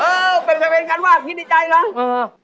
เออเป็นประเด็นกันว่าคิดในใจเหรอ